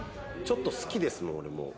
ちょっと好きですもん俺もう。